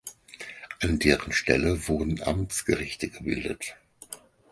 An deren Stelle wurden Amtsgerichte gebildet.